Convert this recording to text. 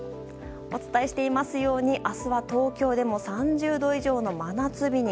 お伝えしていますように明日は東京でも３０度以上の真夏日に。